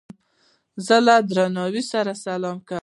زه له درناوي سره سلام کوم.